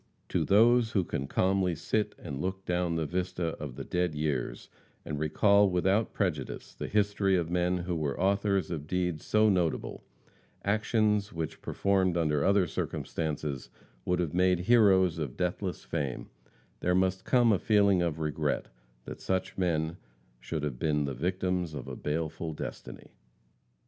To those who can calmly sit and look down the vista of the dead years and recall without prejudice the history of men who were authors of deeds so notable actions which, performed under other circumstances, would have made heroes of deathless fame, there must come a feeling of regret that such men should have been the victims of a baleful destiny.